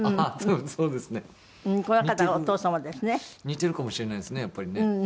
似てるかもしれないですねやっぱりね。